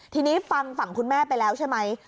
ทีนี้ฟังฝั่งคุณแม่ไปแล้วใช่ไหม